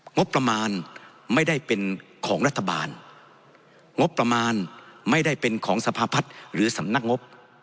งบประมาณไม่ได้เป็นของรัฐบาลงบประมาณไม่ได้เป็นของสภาพัฒน์หรือสำนักงบ